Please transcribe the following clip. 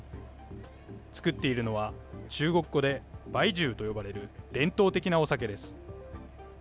造っているのは、中国語でバイジウと呼ばれる伝統的なお酒です。